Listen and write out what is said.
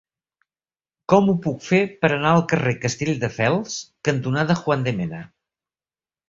Com ho puc fer per anar al carrer Castelldefels cantonada Juan de Mena?